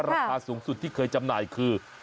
ราคาสูงสุดที่เคยจำหน่ายคือ